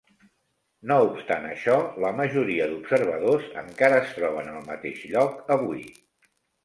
No obstant això, la majoria d'Observadors encara es troben al mateix lloc avui.